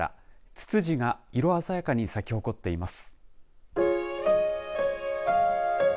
つつじが色鮮やかに咲き誇っています。